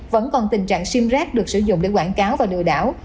vẫn còn tình trạng sim rác được sử dụng để quảng cáo và lừa đảo